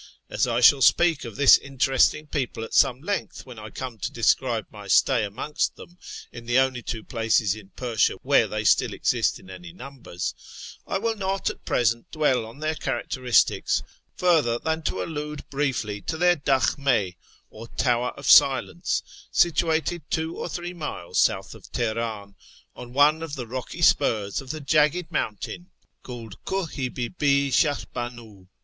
As I shall speak of this interesting people at some length when I come to describe my stay amongst them in the only two places in Persia where they still exist in any numbers, I will not at present dwell on their characteristics further than to allude 88 A YEAR AAWNGST THE PERSIANS hvielly to their dal ]nm\ or "tower of silence," situated two or three miles south of Telier;'m, ou one of tlie rocky spurs of the jagged mountain called Kuli i l]ib{ Shahrb; inu.